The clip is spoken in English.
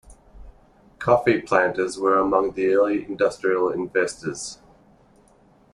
Coffee planters were among the early industrial investors.